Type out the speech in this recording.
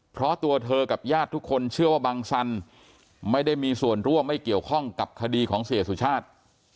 เพราะตัวเธอกับญาติทุกคนเชื่อว่าบังสันไม่ได้มีส่วนร่วมไม่เกี่ยวข้องกับคดีของเสียสุชาติ